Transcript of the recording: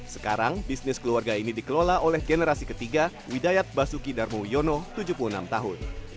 sekarang bisnis keluarga ini dikelola oleh generasi ketiga widayat basuki darmo yono tujuh puluh enam tahun